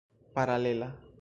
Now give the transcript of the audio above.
paralela